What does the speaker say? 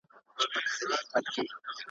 ته به مي سلګۍ سلګۍ کفن په اوښکو وګنډې ,